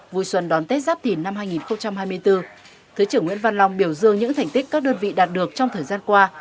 vui xuân đón tết giáp thìn năm hai nghìn hai mươi bốn thứ trưởng nguyễn văn long biểu dương những thành tích các đơn vị đạt được trong thời gian qua